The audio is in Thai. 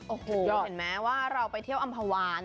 โอ้โหเห็นไหมว่าเราไปเที่ยวอำภาวาน